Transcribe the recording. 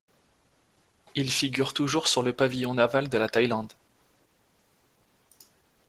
Il figure toujours sur le pavillon naval de la Thaïlande.